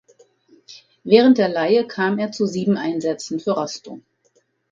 Während der Leihe kam er zu sieben Einsätzen für Rostow.